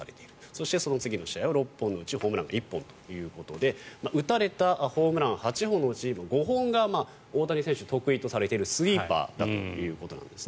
そして、その次の試合は６本のうちホームラン１本ということで打たれたホームラン８本のうち５本が大谷選手の得意とされているスイーパーだということです。